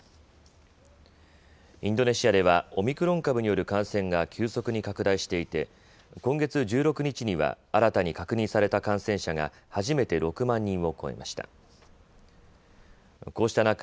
インドネシアではオミクロン株による感染が急速に拡大していて、今月１６日には新たに確認された感染者が初めて６万人を超えました。